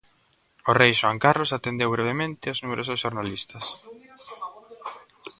O Rei Xoán Carlos atendeu brevemente aos numerosos xornalistas.